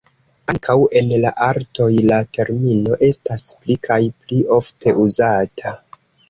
Ankaŭ en la artoj, la termino estas pli kaj pli ofte uzata.